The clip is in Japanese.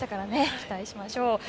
期待しましょう。